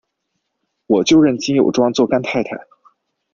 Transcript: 我就认金友庄做干太太！